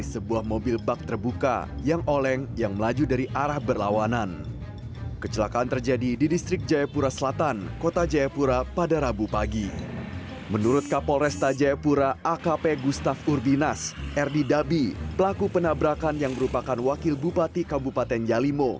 surbinas erdi dabi pelaku penabrakan yang merupakan wakil bupati kabupaten yalimo